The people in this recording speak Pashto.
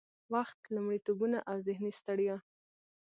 وخت، لومړيتوبونه او ذهني ستړيا